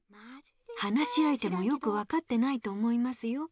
話しあいてもよくわかってないと思いますよ。